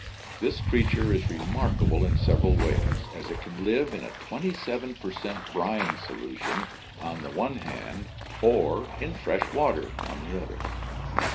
This creature is remarkable in several ways, as it can live in a 27 per cent brine solution on the one hand or in fresh water on the other.